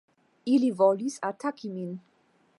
Ili volis ataki min.